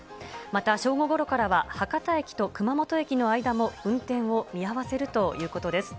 また正午ごろからは、博多駅と熊本駅の間も運転を見合わせるということです。